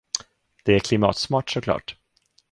Det är klimatsmart såklart.